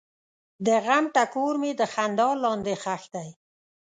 د غم ټکور مې د خندا لاندې ښخ دی.